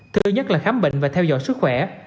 thứ nhất là khám bệnh và theo dõi sức khỏe